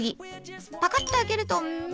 パカッと開けるとミイラ！